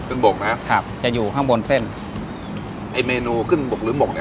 บกนะครับจะอยู่ข้างบนเส้นไอ้เมนูขึ้นบกหรือหมกเนี้ย